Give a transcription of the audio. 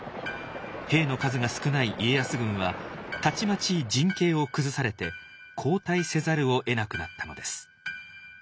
兵の数が少ない家康軍はたちまち陣形を崩されて後退せざるをえなくなったのです。